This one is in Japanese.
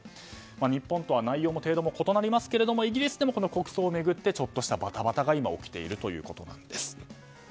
日本とは内容も程度も異なりますがイギリスでも国葬を巡ってちょっとしたバタバタが今、起きているということなんです。